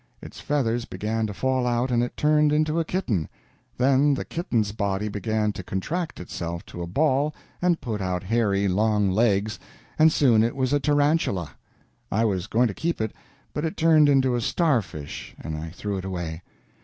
Its feathers began to fall out, and it turned into a kitten; then the kitten's body began to contract itself to a ball and put out hairy, long legs, and soon it was a tarantula; I was going to keep it, but it turned into a star fish, and I threw it away.